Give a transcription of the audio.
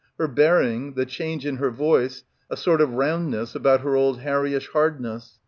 Her bearing, the change in her voice, a sort of roundness about her old Harryish hardness.